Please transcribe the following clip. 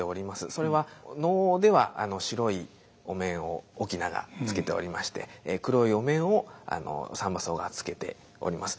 それは能では白いお面を翁がつけておりまして黒いお面を三番叟がつけております。